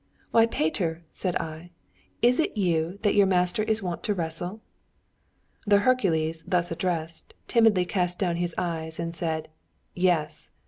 'Why, Peter,' said I, 'is it with you that your master is wont to wrestle?' The Hercules, thus addressed, timidly cast down his eyes and said: 'Yes!'